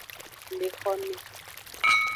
Le xome.